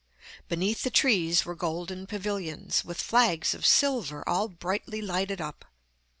Beneath the trees were golden pavilions, with flags of silver all brightly lighted up.